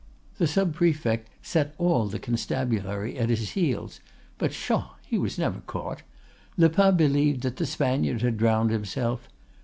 "'The sub prefect set all the constabulary at his heels; but, pshaw! he was never caught. Lepas believed that the Spaniard had drowned himself.